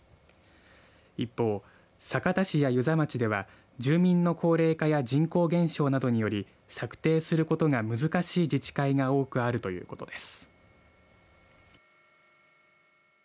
一方、酒田市や遊佐町では住民の高齢化や人口減少などにより策定することが難しい自治会が多くあるということです。